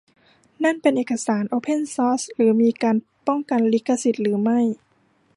นั่นเป็นเอกสารโอเพนซอร์ซหรือมีการป้องกันลิขสิทธิ์หรือไม่